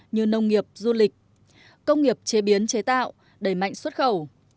như nông nghiệp du lịch công nghiệp chế biến chế tạo đẩy mạnh xuất khẩu